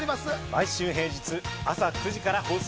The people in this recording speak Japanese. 毎週平日朝９時から放送。